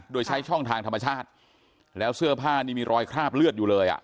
โดยใช้ช่องทางธรรมชาติแล้วเสื้อผ้านี่มีรอยคราบเลือดอยู่เลยอ่ะ